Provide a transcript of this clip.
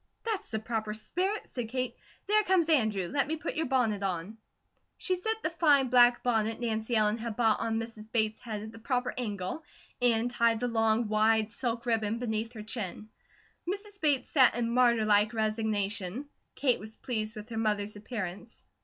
"That's the proper spirit," said Kate. "There comes Andrew. Let me put your bonnet on." She set the fine black bonnet Nancy Ellen had bought on Mrs. Bates' head at the proper angle and tied the long, wide silk ribbon beneath her chin. Mrs. Bates sat in martyr like resignation. Kate was pleased with her mother's appearance.